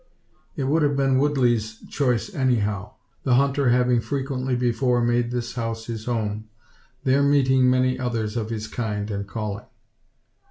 It would have been Woodley's choice anyhow; the hunter having frequently before made this house his home; there meeting many others of his kind and calling.